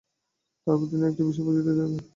তারপর আর একটি বিষয় বুঝিতে হইবে।